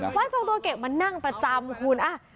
มันนั่งประจำ